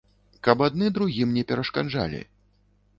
Каб адны другім не перашкаджалі.